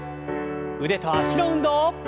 腕と脚の運動。